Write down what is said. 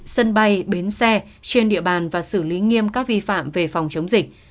sân bay bến xe trên địa bàn và xử lý nghiêm các vi phạm về phòng chống dịch